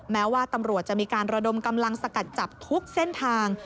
แม้ว่าตำรวจจะมีการระดมกำลังสกัดจับทุกเส้นทาง